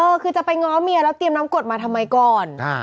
คือจะไปง้อเมียแล้วเตรียมน้ำกดมาทำไมก่อน